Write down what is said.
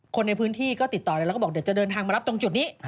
คนในพื้นที่ก็ติดต่อเลยแล้วก็บอกเดี๋ยวจะเดินทางมารับตรงจุดนี้